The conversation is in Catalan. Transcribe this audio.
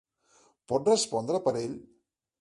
Pots respondre per ell?